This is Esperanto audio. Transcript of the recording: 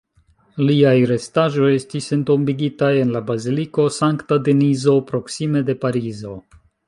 Liaj restaĵoj estis entombigitaj en la baziliko Sankta Denizo, proksime de Parizo.